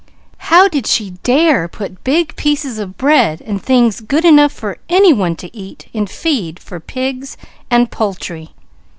How did she dare put big pieces of bread and things good enough for any one to eat in feed for pigs and poultry!